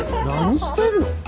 何してるの？